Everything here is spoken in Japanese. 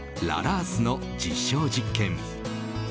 ララースの実証実験。